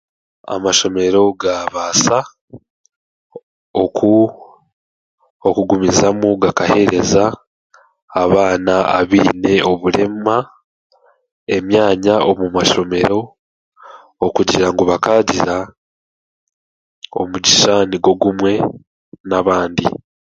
Amashomero gaabaasa okugumizamu gakaheereza abaana abaine oburema emyanya omu mashomero okugira bakaagira omugisha nigwo gumwe n'abandi